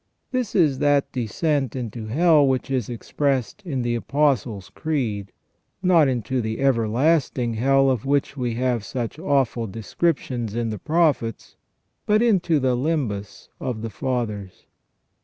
This is that descent into hell which is expressed in the Apostles' Creed ; not into the everlasting hell of which we have such awful descriptions in the Prophets, but into the limbus of the Fathers.